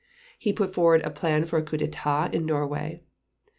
He put forward a plan for a coup d'état in Norway.